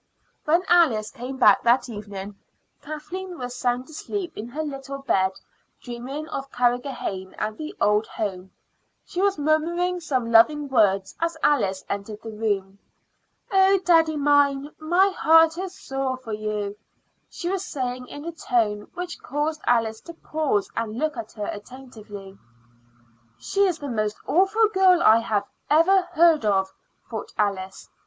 When Alice came back that evening Kathleen was sound asleep in her little bed, dreaming of Carrigrohane and the old home. She was murmuring some loving words as Alice entered the room. "Oh, daddy mine, my heart is sore for you," she was saying in a tone which caused Alice to pause and look at her attentively. "She is the most awful girl I ever heard of," thought Alice.